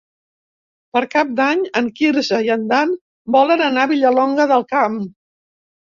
Per Cap d'Any en Quirze i en Dan volen anar a Vilallonga del Camp.